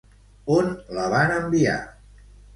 On la van enviar?